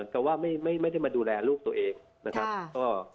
ก็ไม่ได้มาดูแลลูกตัวเองนะครับ